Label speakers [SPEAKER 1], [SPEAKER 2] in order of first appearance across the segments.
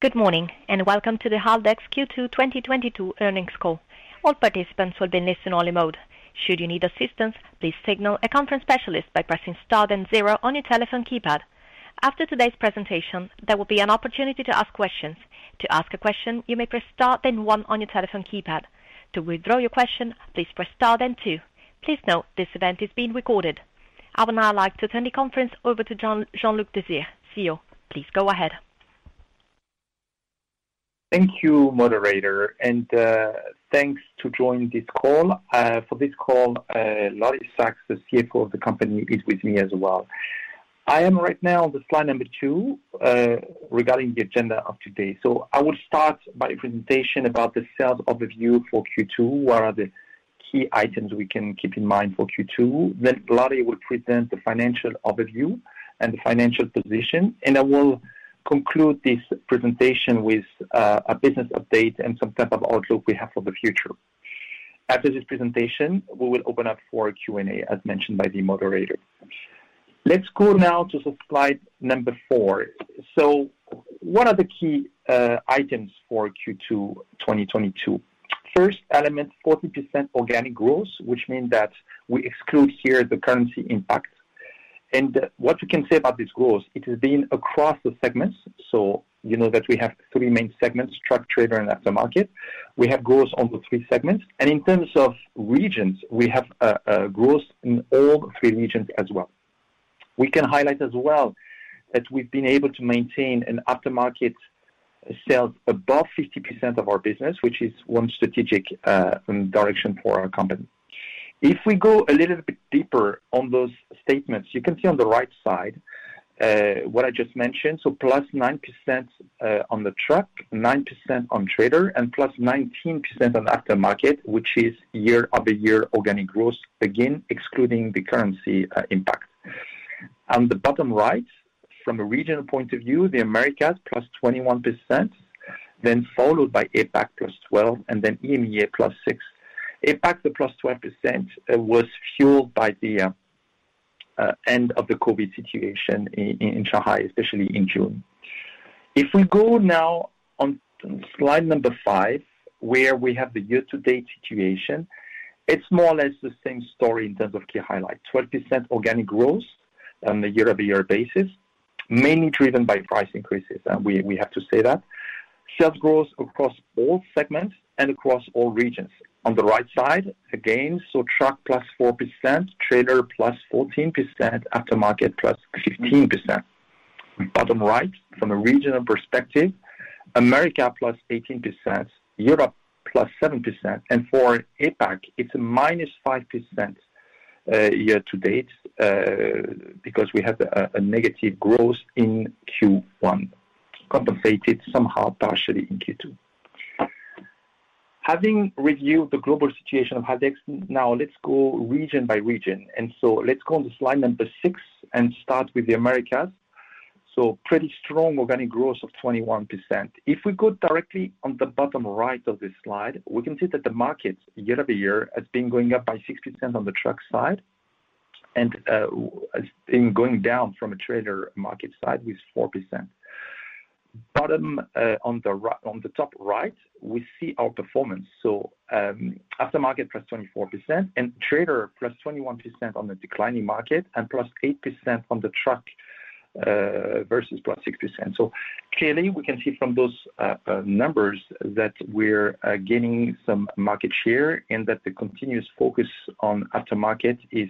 [SPEAKER 1] Good morning, and welcome to the Haldex Q2 2022 earnings call. All participants will be in listen only mode. Should you need assistance, please signal a conference specialist by pressing star then zero on your telephone keypad. After today's presentation, there will be an opportunity to ask questions. To ask a question, you may press Star then one on your telephone keypad. To withdraw your question, please press star then two. Please note this event is being recorded. I would now like to turn the conference over to Jean-Luc Desire, CEO. Please go ahead.
[SPEAKER 2] Thank you, moderator, and thanks to join this call. For this call, Lottie Saks, the CFO of the company, is with me as well. I am right now on the slide number two, regarding the agenda of today. I will start by presentation about the sales overview for Q2. What are the key items we can keep in mind for Q2? Lottie will present the financial overview and the financial position. I will conclude this presentation with a business update and some type of outlook we have for the future. After this presentation, we will open up for a Q&A, as mentioned by the moderator. Let's go now to slide number four. What are the key items for Q2 2022? First element, 40% organic growth, which means that we exclude here the currency impact. What we can say about this growth, it has been across the segments. You know that we have three main segments, truck, trailer, and aftermarket. We have growth on the three segments. In terms of regions, we have growth in all three regions as well. We can highlight as well that we've been able to maintain an aftermarket sales above 50% of our business, which is one strategic direction for our company. If we go a little bit deeper on those statements, you can see on the right side what I just mentioned. +9% on the truck, +9% on trailer, and +19% on aftermarket, which is year-over-year organic growth, again, excluding the currency impact. On the bottom right, from a regional point of view, the Americas +21%, then followed by APAC +12%, and then EMEA +6%. APAC, the +12%, was fueled by the end of the COVID situation in Shanghai, especially in June. If we go now on slide five, where we have the year-to-date situation, it's more or less the same story in terms of key highlights. 12% organic growth on a year-over-year basis, mainly driven by price increases, and we have to say that. Sales growth across all segments and across all regions. On the right side, again, truck +4%, trailer +14%, aftermarket +15%. Bottom right, from a regional perspective, Americas +18%, Europe +7%. For APAC, it's -5% year to date because we had a negative growth in Q1, compensated somehow partially in Q2. Having reviewed the global situation of Haldex, now let's go region by region. Let's go on to slide six and start with the Americas. Pretty strong organic growth of 21%. If we go directly on the bottom right of this slide, we can see that the market year-over-year has been going up by 6% on the truck side and it's been going down from a trailer market side with 4%. On the top right, we see our performance. Aftermarket +24% and trailer +21% on the declining market and +8% on the truck versus +6%. Clearly we can see from those numbers that we're gaining some market share and that the continuous focus on aftermarket is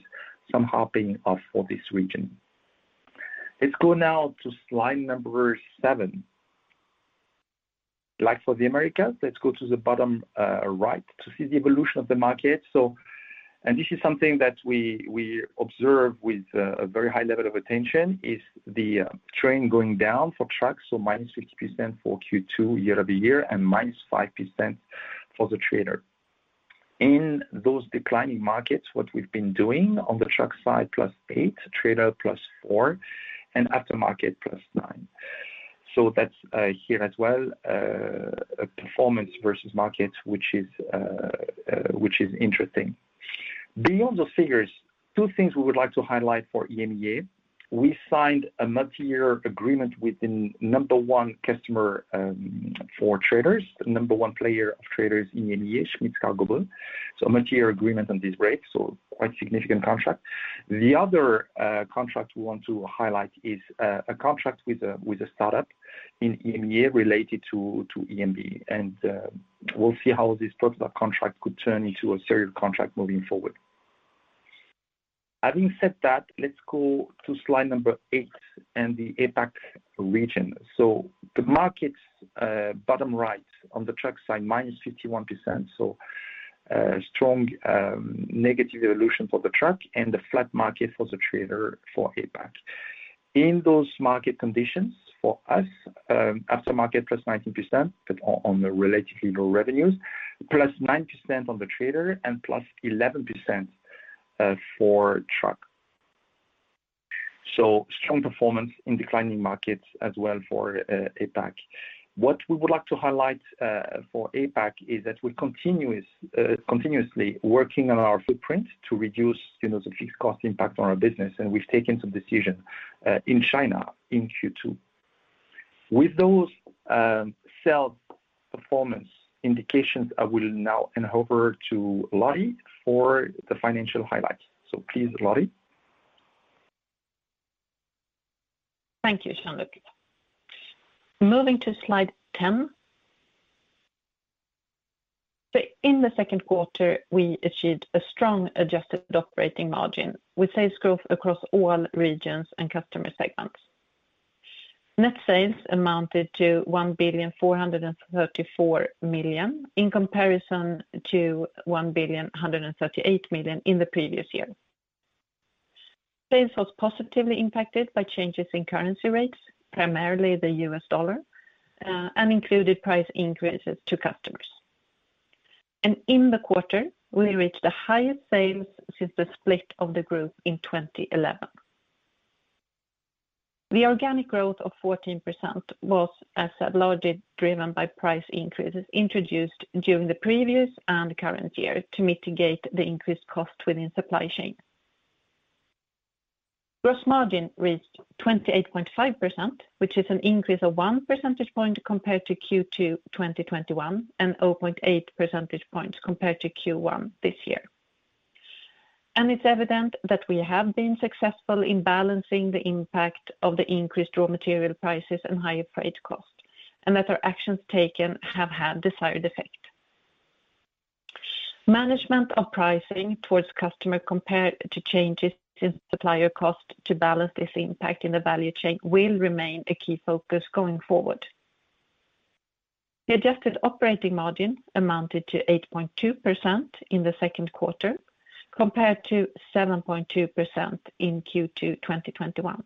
[SPEAKER 2] somehow paying off for this region. Let's go now to slide number seven. Like for the Americas, let's go to the bottom right to see the evolution of the market. This is something that we observe with a very high level of attention is the trend going down for trucks. -6% for Q2 year-over-year and -5% for the trailer. In those declining markets, what we've been doing on the truck side, +8%, trailer +4%, and aftermarket +9%. That's here as well performance versus market, which is interesting. Beyond the figures, two things we would like to highlight for EMEA. We signed a multi-year agreement with the number one customer for trailers, number one player in trailers in EMEA, Schmitz Cargobull. A multi-year agreement on this brake, quite significant contract. The other contract we want to highlight is a contract with a start-up in EMEA related to EMB. We'll see how this particular contract could turn into a serial contract moving forward. Having said that, let's go to slide number eight and the APAC region. The markets, bottom right on the truck side, -51%. Strong negative evolution for the truck and a flat market for the trailer in APAC. In those market conditions for us, aftermarket +19% on the relatively low revenues, +9% on the trailer and +11% for truck. Strong performance in declining markets as well for APAC. What we would like to highlight for APAC is that we're continuously working on our footprint to reduce, you know, the fixed cost impact on our business, and we've taken some decisions in China in Q2. With those sales performance indications, I will now hand over to Lottie for the financial highlights. Please, Lottie.
[SPEAKER 3] Thank you, Jean-Luc. Moving to slide 10. In the second quarter, we achieved a strong adjusted operating margin with sales growth across all regions and customer segments. Net sales amounted to 1,434,000,000, in comparison to 1,138,000,000 in the previous year. Sales was positively impacted by changes in currency rates, primarily the U.S. dollar, and included price increases to customers. In the quarter, we reached the highest sales since the split of the group in 2011. The organic growth of 14% was largely driven by price increases introduced during the previous and current year to mitigate the increased cost within supply chain. Gross margin reached 28.5%, which is an increase of 1 percentage point compared to Q2 2021 and 0.8 percentage points compared to Q1 this year. It's evident that we have been successful in balancing the impact of the increased raw material prices and higher freight costs, and that our actions taken have had desired effect. Management of pricing towards customer compared to changes in supplier cost to balance this impact in the value chain will remain a key focus going forward. The adjusted operating margin amounted to 8.2% in the second quarter compared to 7.2% in Q2 2021.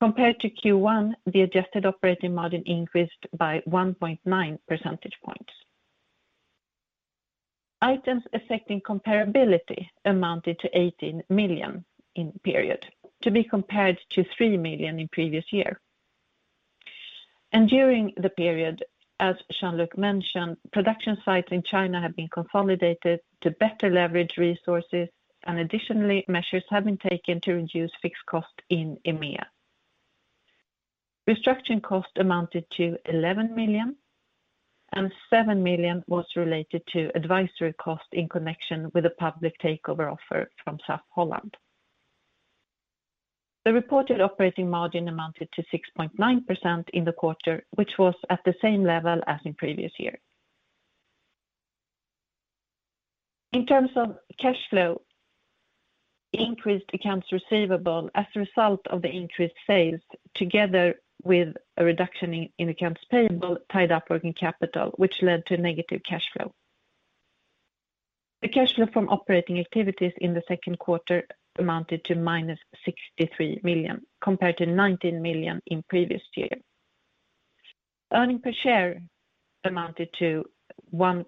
[SPEAKER 3] Compared to Q1, the adjusted operating margin increased by 1.9 percentage points. Items affecting comparability amounted to 18 million in the period, to be compared to 3 million in previous year. During the period, as Jean-Luc mentioned, production sites in China have been consolidated to better leverage resources, and additionally, measures have been taken to reduce fixed costs in EMEA. Restructuring costs amounted to 11 million, and 7 million was related to advisory costs in connection with a public takeover offer from SAF-HOLLAND. The reported operating margin amounted to 6.9% in the quarter, which was at the same level as in previous year. In terms of cash flow, increased accounts receivable as a result of the increased sales, together with a reduction in accounts payable, tied up working capital, which led to negative cash flow. The cash flow from operating activities in the second quarter amounted to -63 million, compared to 19 million in previous year. Earnings per share amounted to 1.07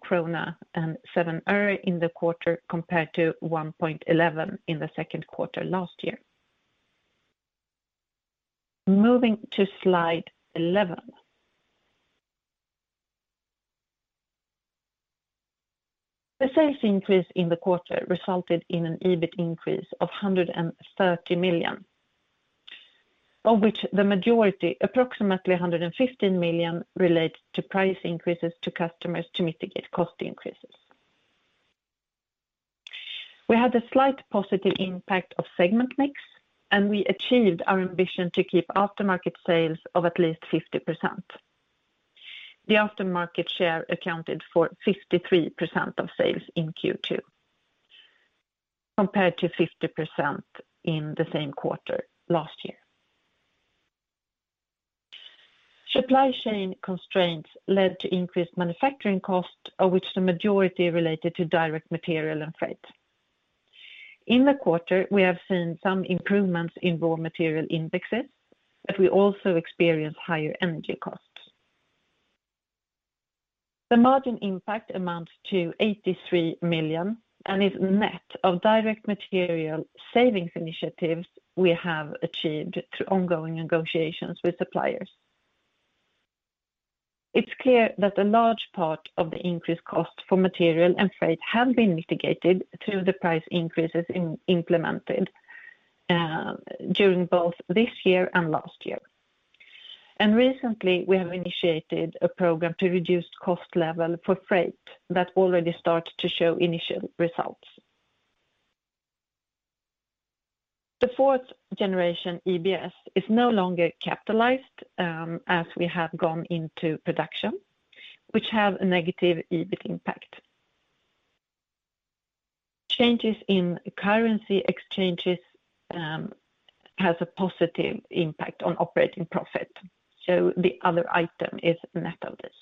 [SPEAKER 3] krona in the quarter, compared to 1.11 in the second quarter last year. Moving to slide 11. The sales increase in the quarter resulted in an EBIT increase of 130 million, of which the majority, approximately 115 million, relates to price increases to customers to mitigate cost increases. We had a slight positive impact of segment mix, and we achieved our ambition to keep aftermarket sales of at least 50%. The aftermarket share accounted for 53% of sales in Q2 compared to 50% in the same quarter last year. Supply chain constraints led to increased manufacturing costs, of which the majority related to direct material and freight. In the quarter, we have seen some improvements in raw material indexes, but we also experienced higher energy costs. The margin impact amounts to 83 million and is net of direct material savings initiatives we have achieved through ongoing negotiations with suppliers. It's clear that a large part of the increased cost for material and freight have been mitigated through the price increases implemented during both this year and last year. Recently, we have initiated a program to reduce cost level for freight that already start to show initial results. The fourth generation EBS is no longer capitalized as we have gone into production, which have a negative EBIT impact. Changes in currency exchanges has a positive impact on operating profit. The other item is net of this.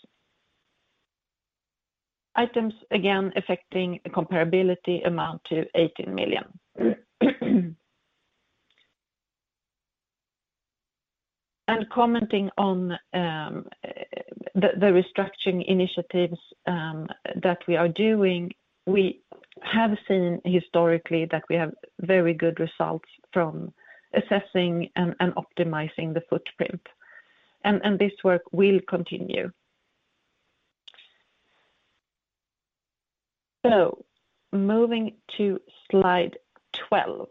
[SPEAKER 3] Items, again, affecting comparability amount to SEK 18 million. Commenting on the restructuring initiatives that we are doing, we have seen historically that we have very good results from assessing and optimizing the footprint. This work will continue. Moving to slide 12.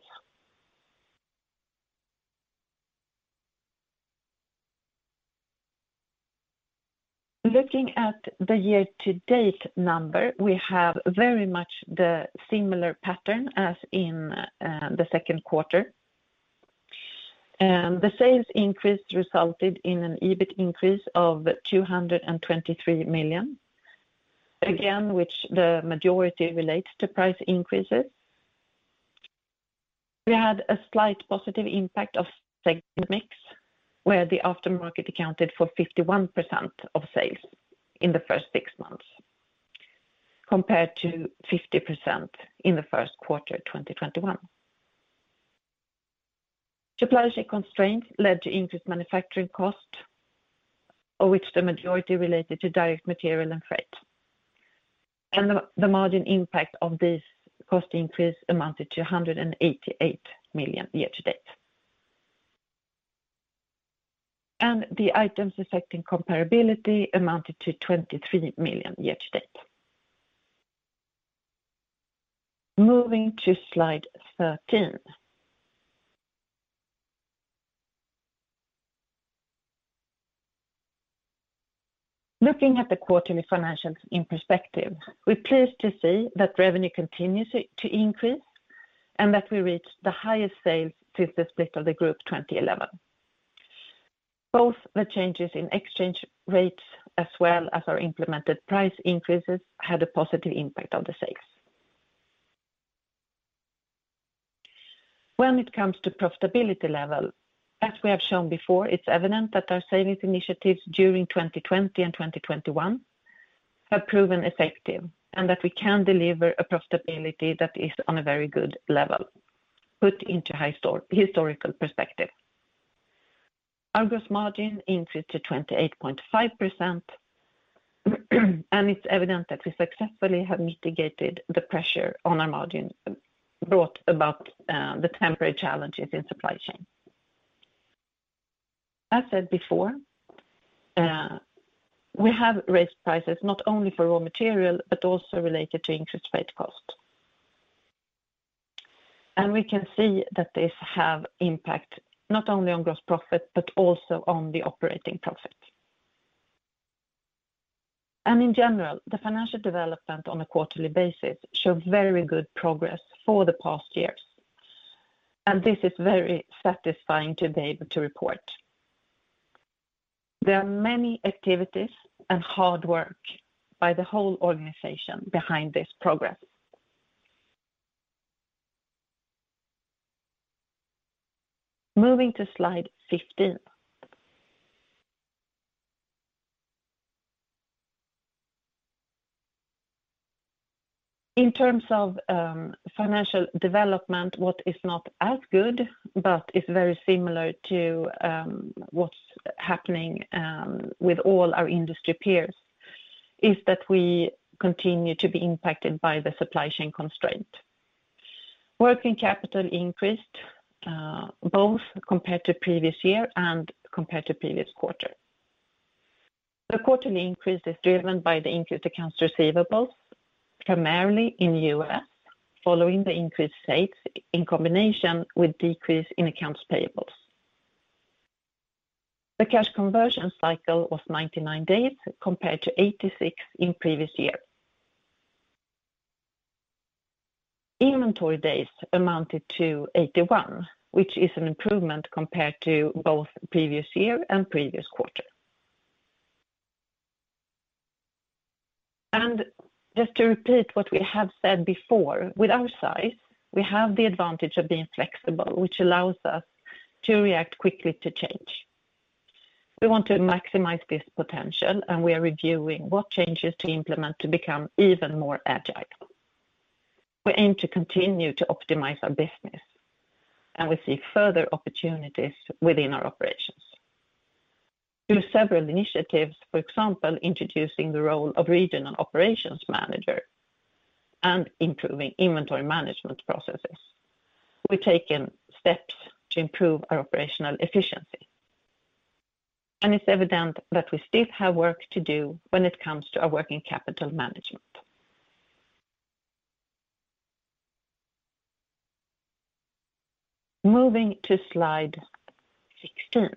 [SPEAKER 3] Looking at the year to date number, we have very much the similar pattern as in the second quarter. The sales increase resulted in an EBIT increase of 223 million. Again, which the majority relates to price increases. We had a slight positive impact of segment mix, where the aftermarket accounted for 51% of sales in the first six months, compared to 50% in the first quarter of 2021. Supply chain constraints led to increased manufacturing costs, of which the majority related to direct material and freight. The margin impact of this cost increase amounted to 188 million year to date. The items affecting comparability amounted to 23 million year to date. Moving to slide 13. Looking at the quarterly financials in perspective, we're pleased to see that revenue continues to increase, and that we reached the highest sales since the split of the group 2011. Both the changes in exchange rates as well as our implemented price increases had a positive impact on the sales. When it comes to profitability level, as we have shown before, it's evident that our savings initiatives during 2020 and 2021 have proven effective, and that we can deliver a profitability that is on a very good level, put into historical perspective. Our gross margin increased to 28.5%, and it's evident that we successfully have mitigated the pressure on our margin brought about the temporary challenges in supply chain. As said before, we have raised prices not only for raw material, but also related to increased freight cost. We can see that this have impact not only on gross profit, but also on the operating profit. In general, the financial development on a quarterly basis showed very good progress for the past years, and this is very satisfying to be able to report. There are many activities and hard work by the whole organization behind this progress. Moving to slide 15. In terms of financial development, what is not as good, but is very similar to what's happening with all our industry peers, is that we continue to be impacted by the supply chain constraint. Working capital increased both compared to previous year and compared to previous quarter. The quarterly increase is driven by the increased accounts receivables, primarily in the U.S., following the increased sales in combination with decrease in accounts payables. The cash conversion cycle was 99 days compared to 86 in previous year. Inventory days amounted to 81, which is an improvement compared to both previous year and previous quarter. Just to repeat what we have said before, with our size, we have the advantage of being flexible, which allows us to react quickly to change. We want to maximize this potential, and we are reviewing what changes to implement to become even more agile. We aim to continue to optimize our business, and we see further opportunities within our operations. Through several initiatives, for example, introducing the role of regional operations manager and improving inventory management processes, we've taken steps to improve our operational efficiency. It's evident that we still have work to do when it comes to our working capital management. Moving to slide 16.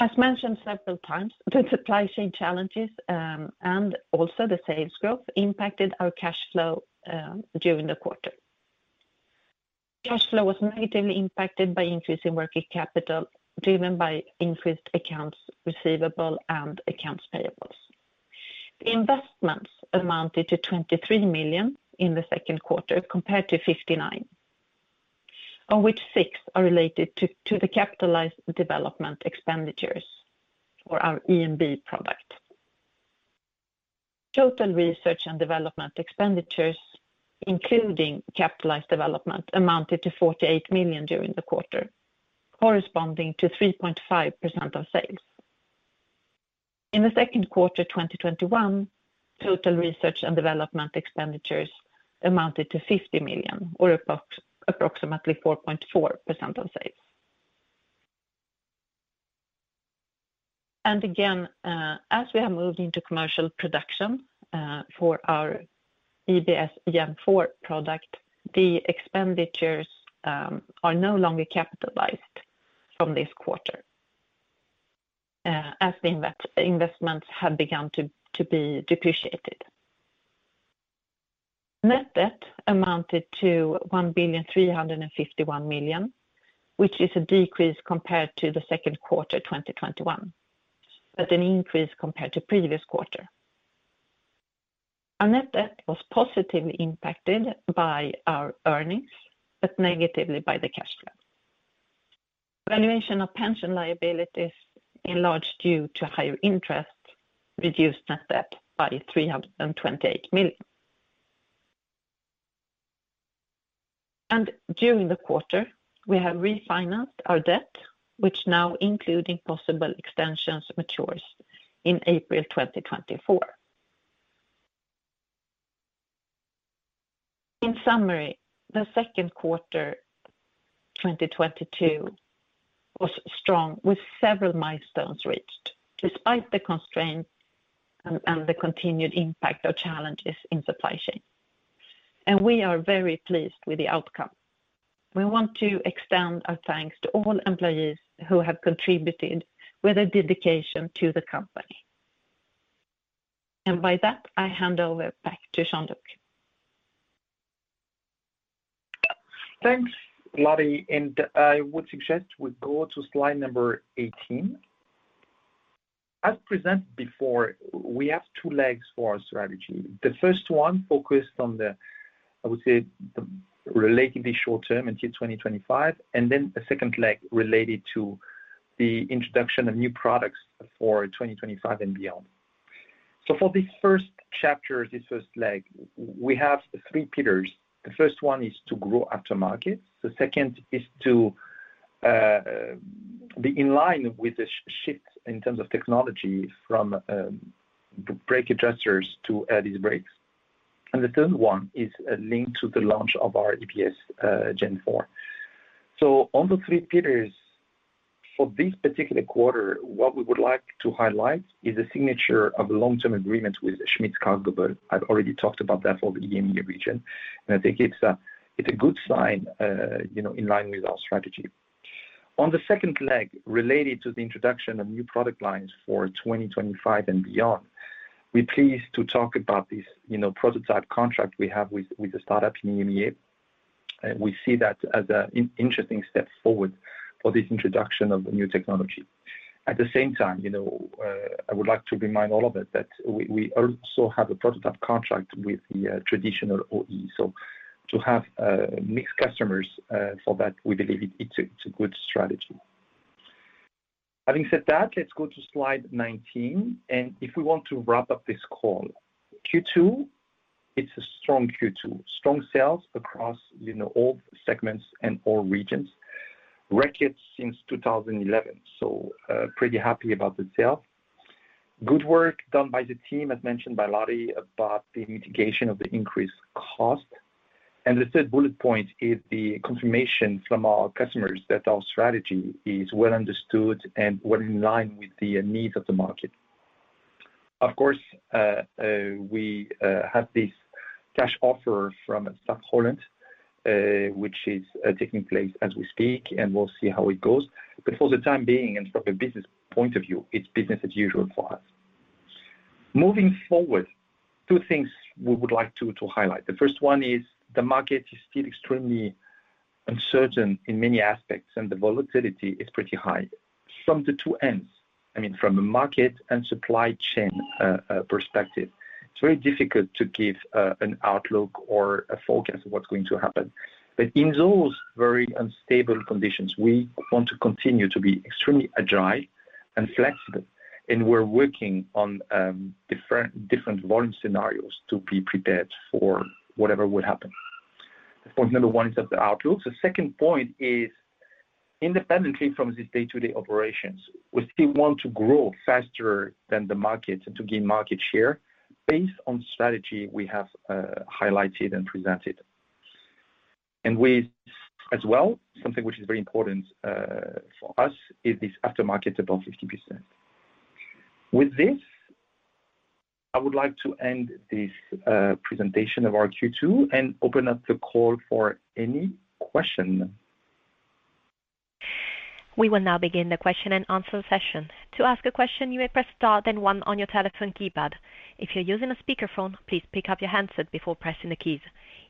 [SPEAKER 3] As mentioned several times, the supply chain challenges and also the sales growth impacted our cash flow during the quarter. Cash flow was negatively impacted by increase in working capital, driven by increased accounts receivable and accounts payable. The investments amounted to 23 million in the second quarter, compared to 59 million, of which 6 million are related to the capitalized development expenditures for our EMB product. Total research and development expenditures, including capitalized development, amounted to 48 million during the quarter, corresponding to 3.5% of sales. In the second quarter, 2021, total research and development expenditures amounted to 50 million or approximately 4.4% of sales. Again, as we have moved into commercial production for our EBS Gen4 product, the expenditures are no longer capitalized from this quarter, as the investments have begun to be depreciated. Net debt amounted to 1,351,000,000, which is a decrease compared to the second quarter, 2021, but an increase compared to previous quarter. Our net debt was positively impacted by our earnings, but negatively by the cash flow. Valuation of pension liabilities enlarged due to higher interest, reduced net debt by 328 million. During the quarter, we have refinanced our debt, which, now including possible extensions, matures in April 2024. In summary, the second quarter 2022 was strong with several milestones reached despite the constraints and the continued impact or challenges in supply chain. We are very pleased with the outcome. We want to extend our thanks to all employees who have contributed with a dedication to the company. By that, I hand over back to Jean-Luc Desire.
[SPEAKER 2] Thanks, Lotte. I would suggest we go to slide number 18. As presented before, we have two legs for our strategy. The first one focused on the, I would say, the relatively short term until 2025, and then a second leg related to the introduction of new products for 2025 and beyond. For this first chapter, this first leg, we have three pillars. The first one is to grow aftermarket, the second is to be in line with the shift in terms of technology from brake adjusters to air disc brakes. The third one is a link to the launch of our EBS Gen4. On the three pillars for this particular quarter, what we would like to highlight is a signature of a long-term agreement with Schmitz Cargobull. I've already talked about that for the EMEA region, and I think it's a good sign, you know, in line with our strategy. On the second leg, related to the introduction of new product lines for 2025 and beyond, we're pleased to talk about this, you know, prototype contract we have with the startup in EMEA. We see that as an interesting step forward for this introduction of new technology. At the same time, you know, I would like to remind all of it that we also have a prototype contract with the traditional OE. So to have mixed customers for that, we believe it's a good strategy. Having said that, let's go to slide 19. If we want to wrap up this call. Q2, it's a strong Q2. Strong sales across, you know, all segments and all regions. Records since 2011. Pretty happy about the sale. Good work done by the team, as mentioned by Lottie, about the mitigation of the increased cost. The third bullet point is the confirmation from our customers that our strategy is well understood and well in line with the needs of the market. Of course, we have this cash offer from SAF-HOLLAND, which is taking place as we speak, and we'll see how it goes. For the time being, and from a business point of view, it's business as usual for us. Moving forward, two things we would like to highlight. The first one is the market is still extremely uncertain in many aspects, and the volatility is pretty high from the two ends. I mean, from a market and supply chain perspective, it's very difficult to give an outlook or a forecast of what's going to happen. In those very unstable conditions, we want to continue to be extremely agile and flexible, and we're working on different volume scenarios to be prepared for whatever would happen. Point number one is of the outlook. The second point is independently from the day-to-day operations, we still want to grow faster than the market and to gain market share based on strategy we have highlighted and presented. We as well, something which is very important for us is this aftermarket above 50%. With this, I would like to end this presentation of our Q2 and open up the call for any question.
[SPEAKER 1] We will now begin the question-and-answer session. To ask a question, you may press star then one on your telephone keypad. If you're using a speakerphone, please pick up your handset before pressing the keys.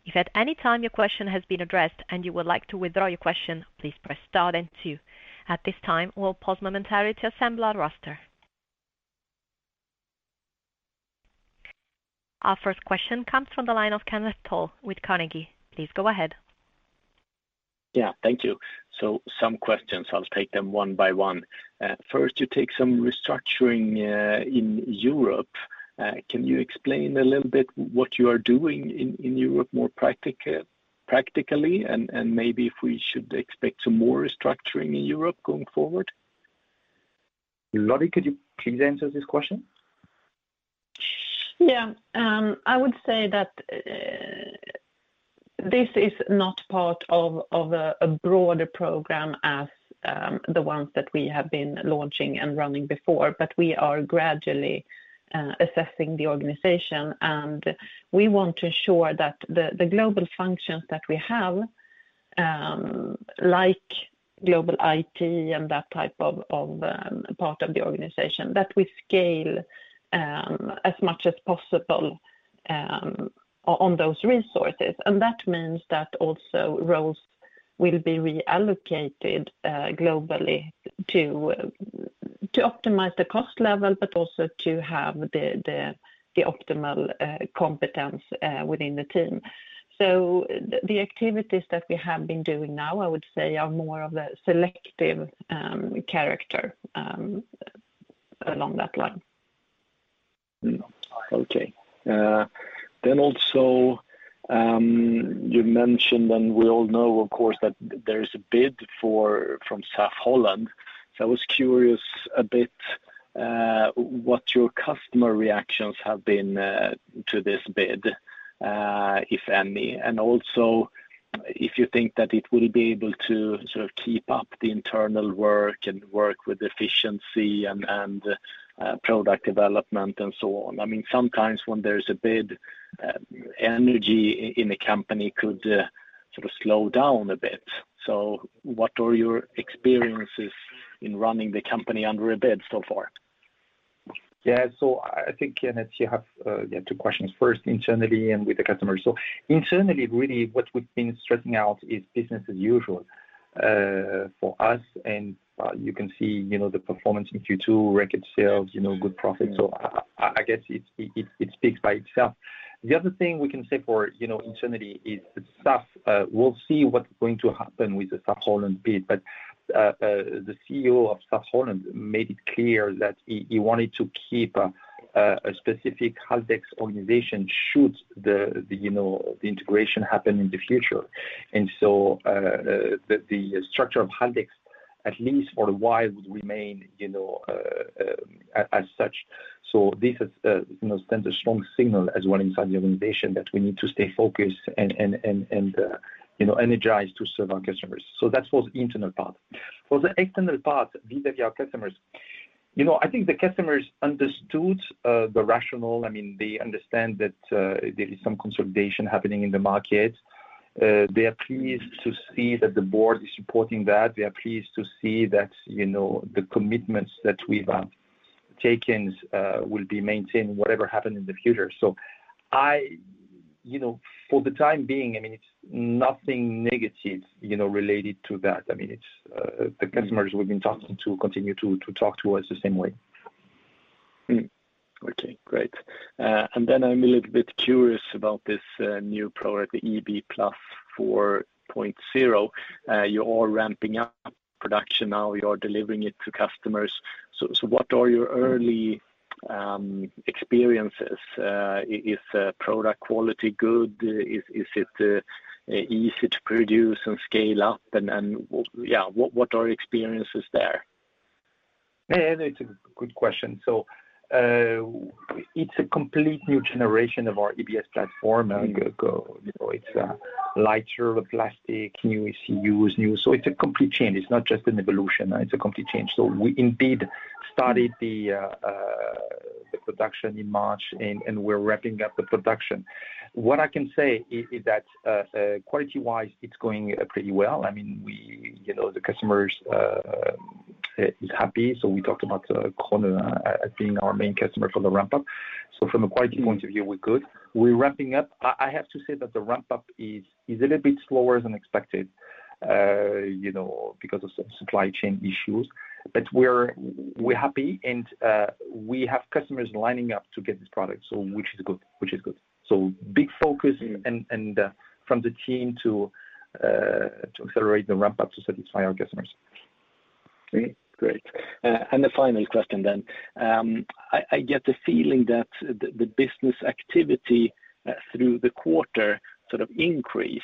[SPEAKER 1] If at any time your question has been addressed and you would like to withdraw your question, please press star then two. At this time, we'll pause momentarily to assemble our roster. Our first question comes from the line of Kenneth Toll with Carnegie. Please go ahead.
[SPEAKER 4] Yeah. Thank you. Some questions. I'll take them one by one. First, you take some restructuring, in Europe. Can you explain a little bit what you are doing in Europe more practically, and maybe if we should expect some more restructuring in Europe going forward?
[SPEAKER 2] Lottie, could you please answer this question?
[SPEAKER 3] Yeah. I would say that this is not part of a broader program as the ones that we have been launching and running before, but we are gradually assessing the organization. We want to ensure that the global functions that we have, like global IT and that type of part of the organization, that we scale as much as possible on those resources. That means that also roles will be reallocated globally to optimize the cost level, but also to have the optimal competence within the team. The activities that we have been doing now, I would say, are more of a selective character along that line.
[SPEAKER 4] You mentioned, and we all know, of course, that there is a bid for... from SAF-HOLLAND. I was curious a bit, what your customer reactions have been, to this bid, if any. Also if you think that it will be able to sort of keep up the internal work and work with efficiency and, product development and so on. I mean, sometimes when there's a bid, energy in the company could, sort of slow down a bit. What are your experiences in running the company under a bid so far?
[SPEAKER 2] I think, Kenneth, you have two questions. First internally and with the customers. Internally, really what we've been stressing out is business as usual for us. You can see, you know, the performance in Q2, record sales, you know, good profit. I guess it speaks by itself. The other thing we can say for, you know, internally is the staff. We'll see what's going to happen with the SAF-HOLLAND bid. The CEO of SAF-HOLLAND made it clear that he wanted to keep a specific Haldex organization should the, you know, the integration happen in the future. The structure of Haldex, at least for a while, would remain, you know, as such. This sends a strong signal as well inside the organization that we need to stay focused and energized to serve our customers. That was internal part. For the external part, vis-à-vis our customers, I think the customers understood the rationale. I mean, they understand that there is some consolidation happening in the market. They are pleased to see that the board is supporting that. They are pleased to see that the commitments that we've taken will be maintained whatever happen in the future. For the time being, I mean, it's nothing negative related to that. I mean, it's the customers we've been talking to continue to talk to us the same way.
[SPEAKER 4] Okay. Great. I'm a little bit curious about this new product, the EB+ 4.0. You're all ramping up production now. You're delivering it to customers. What are your early experiences? Is product quality good? Is it easy to produce and scale up? What are experiences there?
[SPEAKER 2] Yeah. That's a good question. It's a complete new generation of our EBS platform. You know, it's a lighter plastic, new ECU, is new. It's a complete change. It's not just an evolution. It's a complete change. We indeed started the production in March, and we're ramping up the production. What I can say is that quality-wise, it's going pretty well. I mean, we. You know, the customers is happy. We talked about Krone as being our main customer for the ramp-up. From a quality point of view, we're good. We're ramping up. I have to say that the ramp-up is a little bit slower than expected, you know, because of supply chain issues. We're happy and we have customers lining up to get this product, so which is good. Which is good. Big focus from the team to accelerate the ramp-up to satisfy our customers.
[SPEAKER 4] Great. The final question. I get the feeling that the business activity through the quarter sort of increased,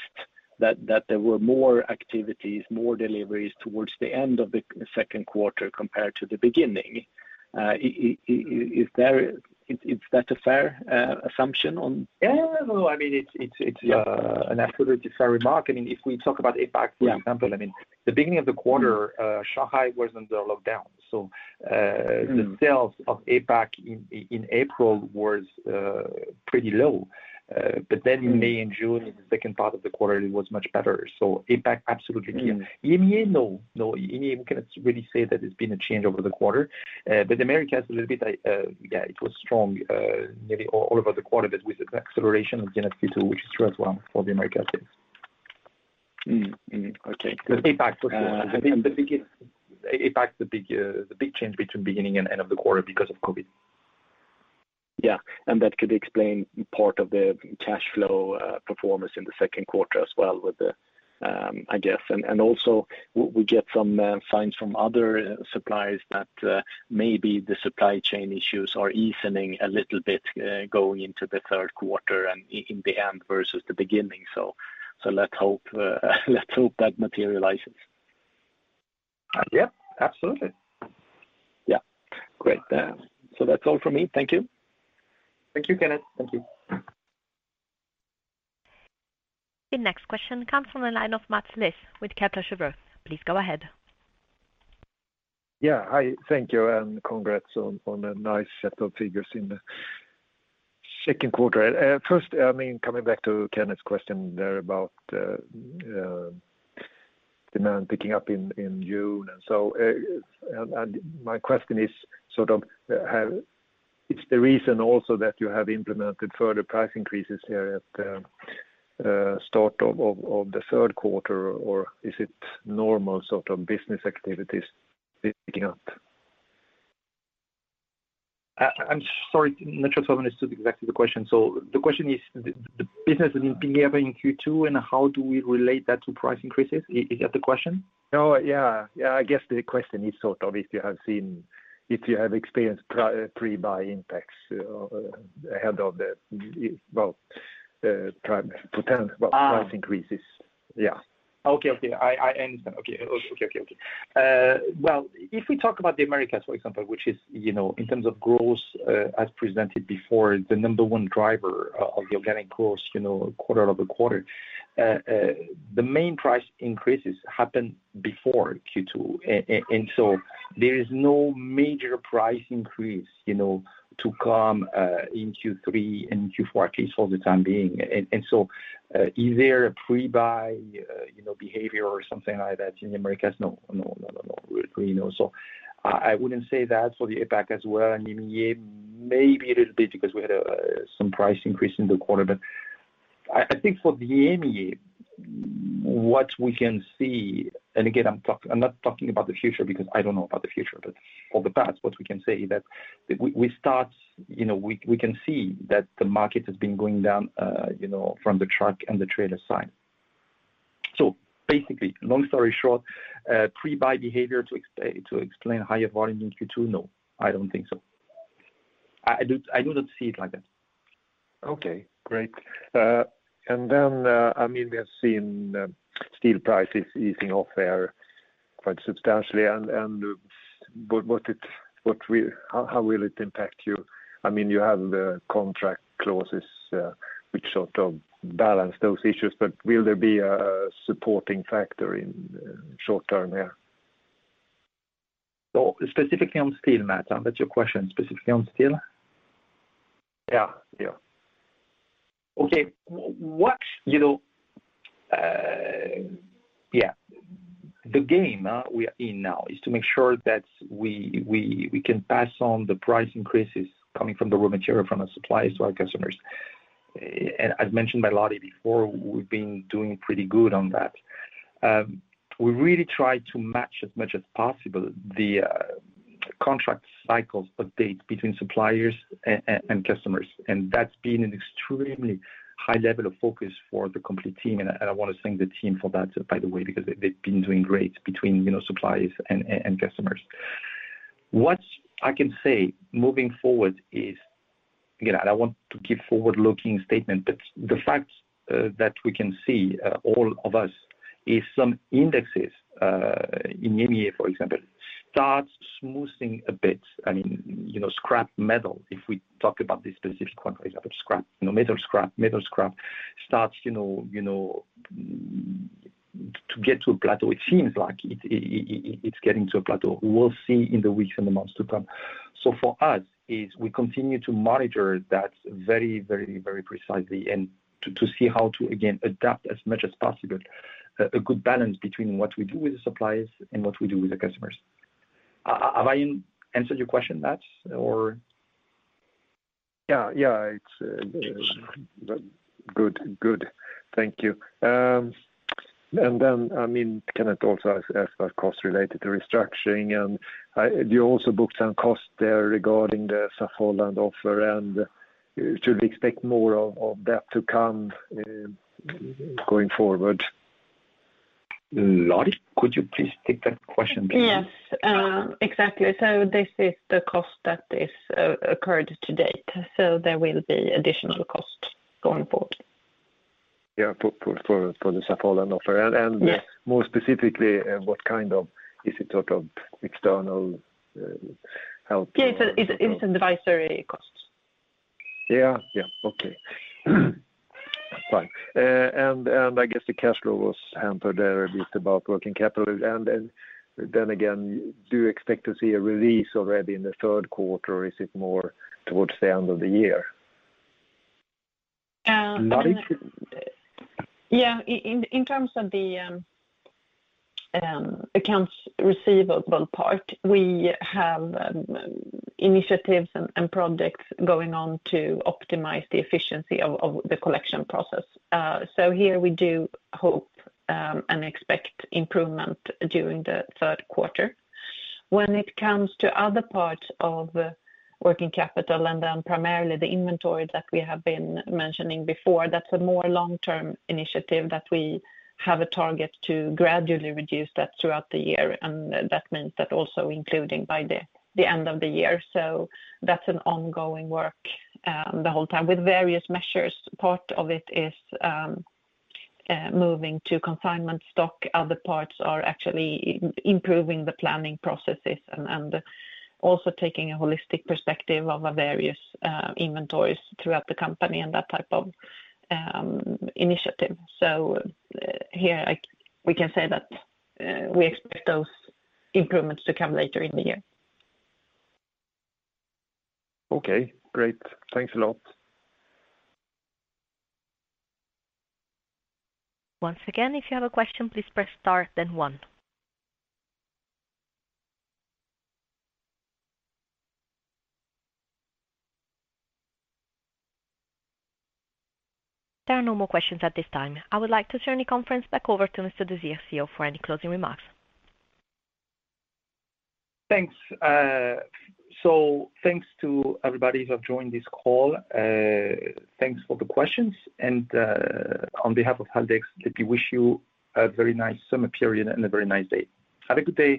[SPEAKER 4] that there were more activities, more deliveries towards the end of the second quarter compared to the beginning. Is that a fair assumption on-
[SPEAKER 2] Yeah. No, I mean, it's an absolutely fair remark. I mean, if we talk about APAC.
[SPEAKER 4] Yeah.
[SPEAKER 2] For example, I mean, the beginning of the quarter Shanghai was under lockdown. The sales of APAC in April was pretty low. In May and June, in the second part of the quarter, it was much better. APAC, absolutely. EMEA, no. No, EMEA, we cannot really say that there's been a change over the quarter. The Americas, a little bit, yeah, it was strong, maybe all over the quarter, but with the acceleration of Q2, which is true as well for the Americas sales.
[SPEAKER 4] Okay.
[SPEAKER 2] APAC for sure. I think the big APAC is the big change between beginning and end of the quarter because of COVID.
[SPEAKER 4] Yeah. That could explain part of the cash flow performance in the second quarter as well with them. I guess and also we get some signs from other suppliers that maybe the supply chain issues are easing a little bit going into the third quarter and in the end versus the beginning. Let's hope that materializes.
[SPEAKER 2] Yeah. Absolutely.
[SPEAKER 4] Yeah. Great. That's all from me. Thank you.
[SPEAKER 2] Thank you, Kenneth. Thank you.
[SPEAKER 1] The next question comes from the line of Mats Liss with Kepler Cheuvreux. Please go ahead.
[SPEAKER 5] Yeah. Hi. Thank you, and congrats on a nice set of figures in the second quarter. First, I mean, coming back to Kenneth's question there about demand picking up in June. My question is, sort of, is the reason also that you have implemented further price increases here at start of the third quarter or is it normal sort of business activities picking up?
[SPEAKER 2] I'm sorry. Not sure if I understood exactly the question. The question is the business has been picking up in Q2 and how do we relate that to price increases? Is that the question?
[SPEAKER 5] No. Yeah. I guess the question is sort of if you have experienced pre-buy impacts ahead of the potential price increases. Yeah.
[SPEAKER 2] I understand. Well, if we talk about the Americas, for example, which is, you know, in terms of growth, as presented before, the number one driver of the organic growth, you know, quarter-over-quarter. The main price increases happened before Q2. There is no major price increase, you know, to come in Q3 and Q4, at least for the time being. Is there a pre-buy, you know, behavior or something like that in the Americas? No. We know. I wouldn't say that for the APAC as well. I mean, yeah, maybe a little bit because we had some price increase in the quarter. I think for the EMEA, what we can see, and again, I'm not talking about the future because I don't know about the future, but for the past, what we can say that we start, you know, we can see that the market has been going down, you know, from the truck and the trailer side. Basically, long story short, pre-buy behavior to explain higher volume in Q2, no, I don't think so. I do not see it like that.
[SPEAKER 5] Okay, great. I mean, we have seen steel prices easing off there quite substantially. How will it impact you? I mean, you have the contract clauses, which sort of balance those issues, but will there be a supporting factor in short term here?
[SPEAKER 2] Specifically on steel, Mats? That's your question, specifically on steel?
[SPEAKER 5] Yeah, yeah.
[SPEAKER 2] The game we are in now is to make sure that we can pass on the price increases coming from the raw material from the suppliers to our customers. As mentioned by Lottie before, we've been doing pretty good on that. We really try to match as much as possible the contract cycles today between suppliers and customers. That's been an extremely high level of focus for the complete team, and I want to thank the team for that, by the way, because they've been doing great between suppliers and customers. What I can say moving forward is. Again, I don't want to give forward-looking statement, but the fact that we can see all of this in some indexes in EMEA, for example, starts smoothing a bit. I mean, you know, scrap metal, if we talk about this specific quantity, scrap, you know, metal scrap starts, you know, to get to a plateau. It seems like it's getting to a plateau. We'll see in the weeks and the months to come. For us, we continue to monitor that very precisely and to see how to again adapt as much as possible a good balance between what we do with the suppliers and what we do with the customers. Have I answered your question, Mats, or?
[SPEAKER 5] Yeah. It's good. Thank you. I mean, Kenneth also asked about cost related to restructuring, and you also booked some cost there regarding the SAF-HOLLAND offer, and should we expect more of that to come going forward?
[SPEAKER 2] Lottie, could you please take that question?
[SPEAKER 3] Yes. Exactly. This is the cost that is occurred to date, so there will be additional costs going forward.
[SPEAKER 5] Yeah. For the SAF-HOLLAND offer.
[SPEAKER 3] Yes.
[SPEAKER 5] More specifically, is it sort of external help or?
[SPEAKER 3] Yeah. It's in advisory costs.
[SPEAKER 5] Yeah. Yeah. Okay. Fine. I guess the cash flow was hampered there a bit about working capital and then again, do you expect to see a release already in the third quarter or is it more towards the end of the year?
[SPEAKER 2] Lottie?
[SPEAKER 3] Yeah. In terms of the accounts receivable part, we have initiatives and projects going on to optimize the efficiency of the collection process. Here we do hope and expect improvement during the third quarter. When it comes to other parts of working capital and then primarily the inventory that we have been mentioning before, that's a more long-term initiative that we have a target to gradually reduce that throughout the year, and that means that also including by the end of the year. That's an ongoing work the whole time with various measures. Part of it is moving to consignment stock. Other parts are actually improving the planning processes and also taking a holistic perspective of our various inventories throughout the company and that type of initiative. We can say that we expect those improvements to come later in the year.
[SPEAKER 5] Okay, great. Thanks a lot.
[SPEAKER 1] Once again, if you have a question, please press Star then One. There are no more questions at this time. I would like to turn the conference back over to Mr. Desire, CEO, for any closing remarks.
[SPEAKER 2] Thanks. Thanks to everybody who have joined this call. Thanks for the questions. On behalf of Haldex, let me wish you a very nice summer period and a very nice day. Have a good day.